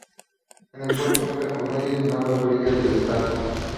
El puerto cuenta con muelles en ambas orillas del Tajo.